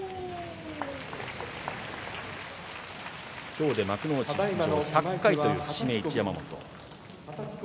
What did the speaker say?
今日で幕内出場１００回という節目の一山本。